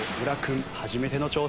初めての挑戦です。